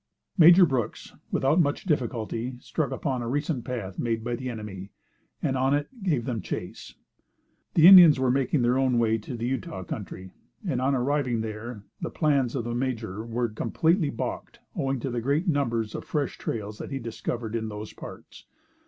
Major Brooks, without much difficulty, struck upon a recent path made by the enemy, and on it, gave them chase. The Indians were making their way to the Utah country, and on arriving there, the plans of the major were completely balked, owing to the great numbers of fresh trails that he discovered in those parts.